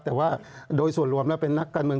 แต่ว่าโดยส่วนรวมแล้วเป็นนักการเมือง